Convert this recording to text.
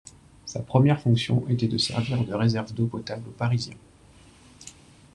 Sa première fonction était de servir de réserve d'eau potable aux Parisiens.